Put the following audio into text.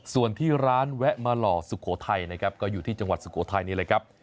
ส่วนที่ร้านแวะมาหล่อสุโขทัยนะครับก็อยู่ที่จังหวัดสุโขทัยนี่แหละครับ